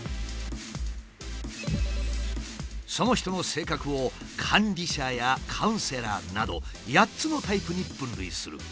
その人の性格を「管理者」や「カウンセラー」など８つのタイプに分類する。